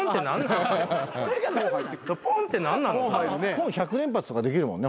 「ポン！」１００連発とかできるもんね。